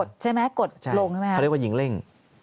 ใช่ไหมกดลงใช่ไหมครับเขาเรียกว่าหญิงเร่ง